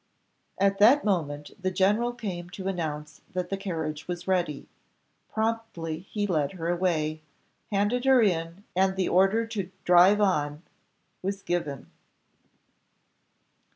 At that moment the general came to announce that the carriage was ready; promptly he led her away, handed her in and the order to "drive on," was given.